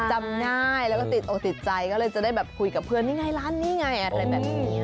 จำง่ายแล้วก็ติดอกติดใจก็เลยจะได้แบบคุยกับเพื่อนนี่ไงร้านนี้ไงอะไรแบบนี้